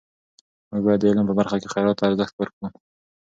موږ باید د علم په برخه کې خیرات ته ارزښت ورکړو.